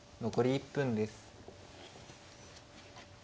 残り１分です。